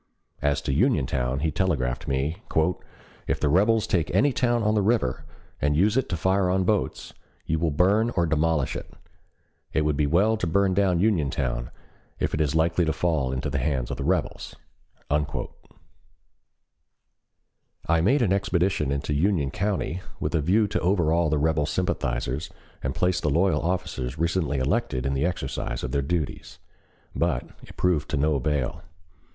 As to Uniontown he telegraphed me: "If the rebels take any town on the river and use it to fire on boats, you will burn or demolish it. It would be well to burn down Uniontown, if it is likely to fall into the hands of the rebels." I made an expedition into Union County with a view to overawe the rebel sympathizers and place the loyal officers recently elected in the exercise of their duties. But it proved of no avail.